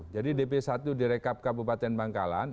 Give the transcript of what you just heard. jadi db satu di rekab kabupaten bangkalan